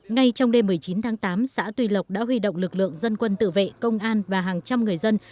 ngay trong đêm một mươi chín tháng tám xã tùy lộc đã huy động lực lượng dân quân tự vệ công an và hàng trăm người dân